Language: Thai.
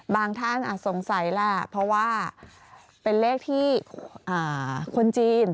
บางท่านอาจสงสัยล่ะเพราะว่าเป็นเลขที่คนจีน